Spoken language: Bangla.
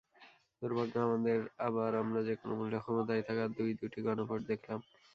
দুর্ভাগ্য আমাদের, আবার আমরা যেকোনো মূল্যে ক্ষমতায় থাকার দুই-দুটি গণভোট দেখলাম।